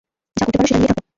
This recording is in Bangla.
যা করতে পার সেটা নিয়েই থাক।